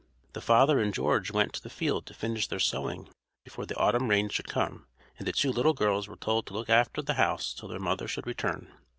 The father and George went to the field to finish their sowing before the autumn rains should come, and the two little girls were told to look after the house till their mother should return.